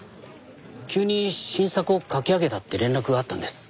急に新作を書き上げたって連絡があったんです。